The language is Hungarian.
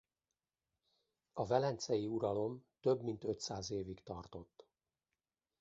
A velencei uralom több mint ötszáz évig tartott.